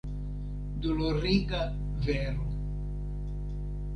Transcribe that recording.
Doloriga vero!